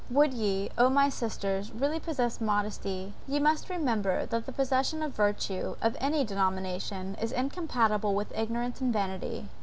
Would ye, O my sisters, really possess modesty, ye must remember that the possession of virtue, of any denomination, is incompatible with ignorance and vanity!